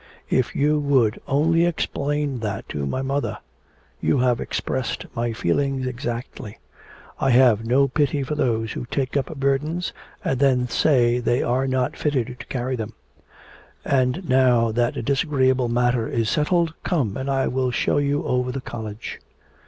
if you would only explain that to my mother. You have expressed my feelings exactly. I have no pity for those who take up burdens and then say they are not fitted to carry them. And now that disagreeable matter is settled, come and I will show you over the college.'